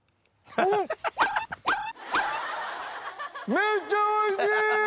めっちゃおいしい！